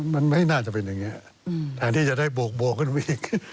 มันไม่น่าจะเป็นอย่างนี้แทนที่จะได้โบกขึ้นไปอีก